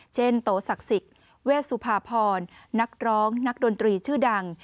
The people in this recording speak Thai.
โตศักดิ์สิทธิ์เวชสุภาพรนักร้องนักดนตรีชื่อดัง